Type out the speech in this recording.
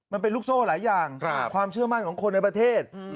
มันเป็นลูกโซ่หลายอย่างความเชื่อมั่นของคนในประเทศ